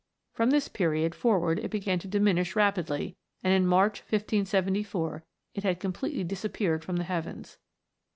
From this period forward it began to diminish rapidly, and in March, 1574, it had completely disappeared from the heavens.